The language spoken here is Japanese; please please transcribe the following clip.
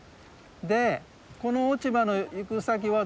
でこの落ち葉の行く先はどう？